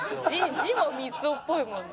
「字もみつをっぽいもんな」